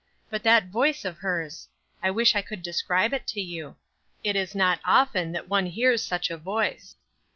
But that voice of hers! I wish I could describe it to you. It is not often that one hears such a voice.